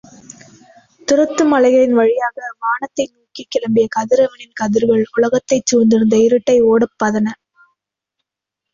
துரத்து மலைகளின் வழியாக வானத்தை நோக்கிக் கிளம்பிய கதிரவ்னின் கதிர்கள் உலகத்தைச் சூழ்ந்திருந்த இருட்டை ஓடச் பதன.